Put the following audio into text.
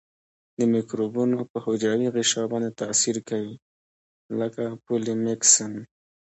د مکروبونو په حجروي غشا باندې تاثیر کوي لکه پولیمیکسین.